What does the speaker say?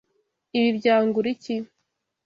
Ibi byangura iki?